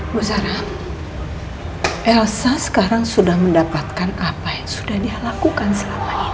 bu sarah elsa sekarang sudah mendapatkan apa yang sudah dia lakukan selama ini